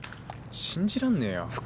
信じらんねえよ。